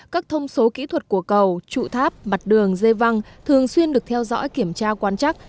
các thông số kỹ thuật của cầu trụ tháp mặt đường dê văn thường xuyên được theo dõi kiểm tra quan chắc